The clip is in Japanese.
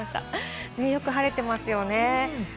よく晴れていますよね。